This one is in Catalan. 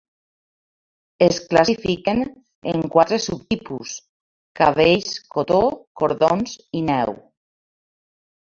Es classifiquen en quatre subtipus: cabells, cotó, cordons i neu.